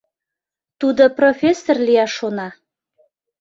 Тудо профессор лияш шона.